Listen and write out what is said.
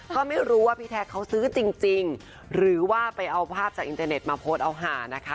ก็ไม่รู้ว่าพี่แท็กเขาซื้อจริงหรือว่าไปเอาภาพจากอินเทอร์เน็ตมาโพสต์เอาหานะคะ